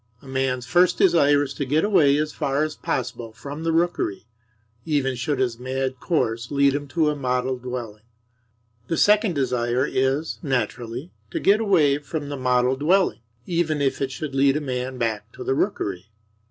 A man's first desire is to get away as far as possible from the rookery, even should his mad course lead him to a model dwelling. The second desire is, naturally, to get away from the model dwelling, even if it should lead a man back to the rookery.